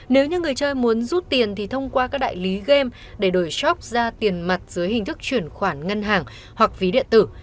nếu như người chơi muốn rút tiền thì thông qua các đại lý game để đổi shop ra tiền mặt dưới hình thức chuyển khoản ngân hàng hoặc ví điện tử